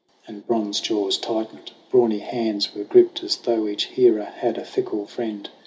And bronze jaws tightened, brawny hands were gripped, As though each hearer had a fickle friend.